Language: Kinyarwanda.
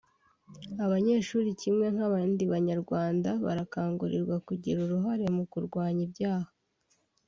Abanyeshuri kimwe nk’abandi banyarwanda barakangurirwa kugira uruhare mu kurwanya ibyaha